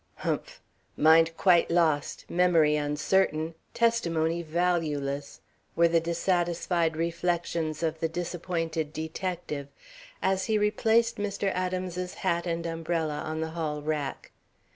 "Humph! mind quite lost, memory uncertain, testimony valueless," were the dissatisfied reflections of the disappointed detective as he replaced Mr. Adams's hat and umbrella on the hall rack.